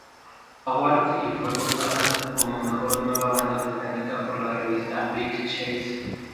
Awards y fue votada como mejor nueva banda británica por la revista Big Cheese.